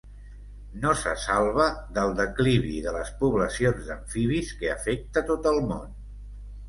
No se salva del declivi de les poblacions d'amfibis que afecta tot el món.